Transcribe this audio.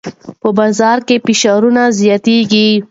په بازار کې فشارونه زیاتېږي.